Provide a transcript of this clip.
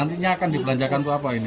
nantinya akan dibelanjakan untuk apa ini